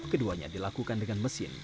keduanya dilakukan dengan mesin